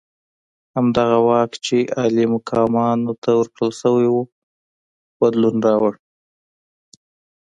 همدغه واک چې عالي مقامانو ته ورکړل شوی وو بدلون راوړ.